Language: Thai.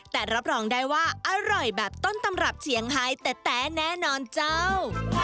แต่รับรองได้ว่าอร่อยแบบต้นตำรับเฉียงไฮแต๊แน่นอนเจ้า